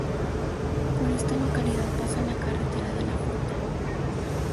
Por esta localidad pasa la Carretera de la Fruta.